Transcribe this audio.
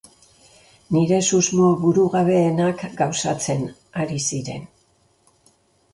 Nire susmo burugabeenak gauzatzen ari ziren.